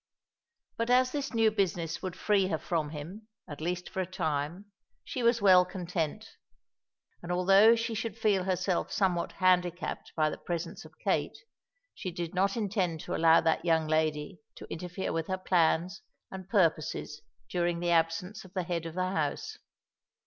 But as this new business would free her from him, at least for a time, she was well content; and, although she should feel herself somewhat handicapped by the presence of Kate, she did not intend to allow that young lady to interfere with her plans and purposes during the absence of the head of the house.